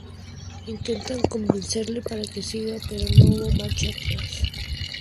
Intentan convencerle para que siga, pero no hubo marcha atrás.